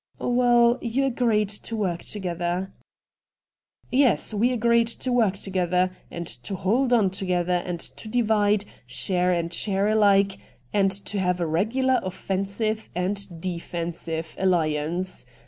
' Well, you agreed to work together.' ' Yes, we airreed to work to^jether. and to hold on together, and to divide, share and share alike, and to have a regular offensive and defensive alliance.